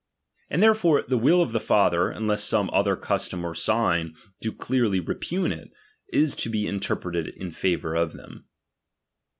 And therefore the will of the father, un less some other custom or sign do clearly repugn it, is to be interpreted in favour of them.